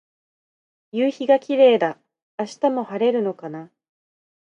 夕陽がキレイだ。明日も晴れるのかな。